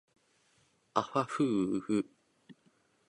あはふうふ